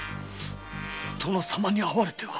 殿様に会われては。